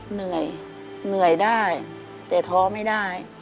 เหนื่อยเหนื่อยได้แต่ท้อไม่ได้